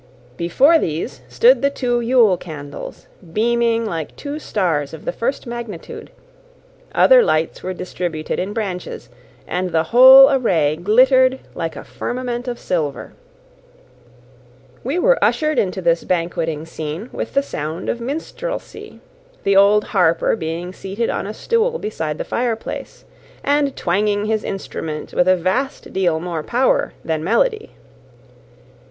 Before these stood the two Yule candles, beaming like two stars of the first magnitude: other lights were distributed in branches, and the whole array glittered like a firmament of silver. We were ushered into this banqueting scene with the sound of minstrelsy, the old harper being seated on a stool beside the fireplace, and twanging his instrument with a vast deal more power than melody.